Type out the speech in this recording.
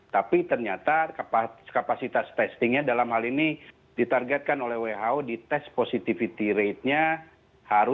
tapi ternyata kapasitas testingnya dalam hal ini ditargetkan oleh who di test positivity ratenya harus